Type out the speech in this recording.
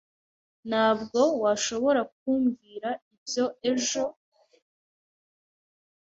Ntabwo washobora kumbwira ibyo ejo?